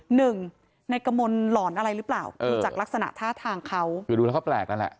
หนึ่งนายกระมนหล่อนอะไรรึเปล่าเออดูจากลักษณะท่าทางเขาเดี๋ยวดูแล้วก็แปลกนั่นแหละ